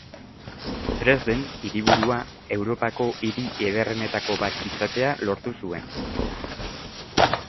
Dresden, hiriburua, Europako hiri ederrenetako bat izatea lortu zuen.